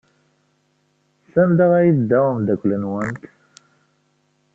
Sanda ay yedda umeddakel-nwent?